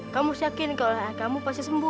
kamu harus yakin kalau lahir kamu pasti sembuh